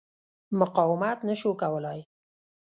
مقاومت نه شو کولای.